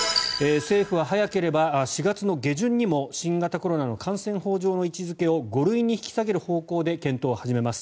政府は早ければ４月の下旬にも新型コロナの感染法上の位置付けを５類に引き下げる方向で検討を始めます。